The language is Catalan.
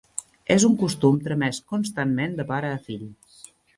És un costum tramès constantment de pare a fill.